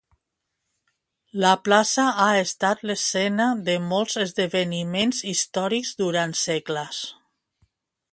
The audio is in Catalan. La plaça ha estat l"escena de molts esdeveniments històrics durant segles.